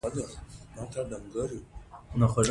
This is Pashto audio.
مېلې خلک د خپل تاریخ او هویت سره مښلوي.